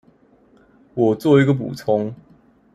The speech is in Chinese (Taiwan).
我作一個補充